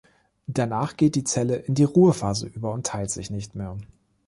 Danach geht die Zelle in die Ruhephase über und teilt sich nicht mehr.